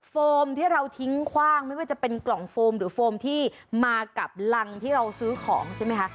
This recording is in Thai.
โฟมที่เราทิ้งคว่างไม่ว่าจะเป็นกล่องโฟมหรือโฟมที่มากับรังที่เราซื้อของใช่ไหมคะ